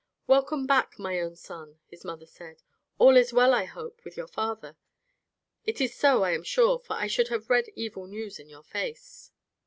"Welcome back, my own son," his mother said; "all is well, I hope, with your father; It is so, I am sure, for I should read evil news in your face."